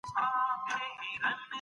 که ته نه غواړې چې ژر زوړ سې.